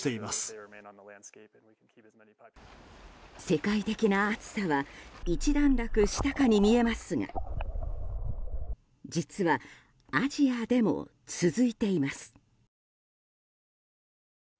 世界的な暑さは一段落したかに見えますが実は、アジアでも続いています。